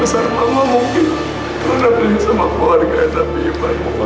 besar besar mama mungkin terhadap ini sama keluarga yang tadi ibadah mama